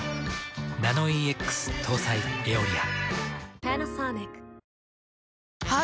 ナノイーＸ搭載「エオリア」。